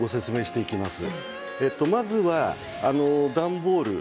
まずは段ボール